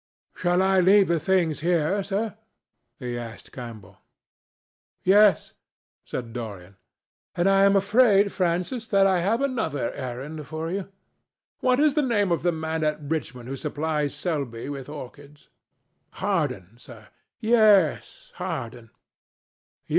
"Shall I leave the things here, sir?" he asked Campbell. "Yes," said Dorian. "And I am afraid, Francis, that I have another errand for you. What is the name of the man at Richmond who supplies Selby with orchids?" "Harden, sir." "Yes—Harden.